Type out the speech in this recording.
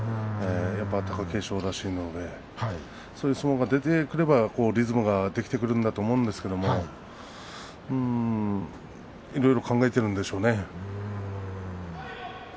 やっぱり貴景勝らしいのでそういう相撲が出てくればリズムも出てくるんだと思うんですがいろいろ考えているんでしょうね。